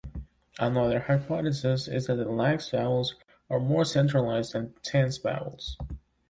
Another hypothesis is that lax vowels are more centralized than tense vowels.